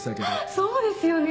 そうですよね！